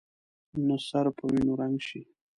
نه سر په وینو رنګ شي.